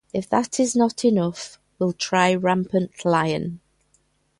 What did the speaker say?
If that is not enough will try Rampant Lion.